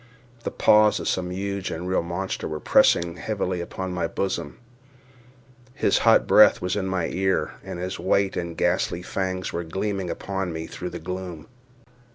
The paws of some huge and real monster were pressing heavily upon my bosom—his hot breath was in my ear—and his white and ghastly fangs were gleaming upon me through the gloom.